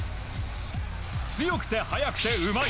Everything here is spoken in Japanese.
強くて速くてうまい。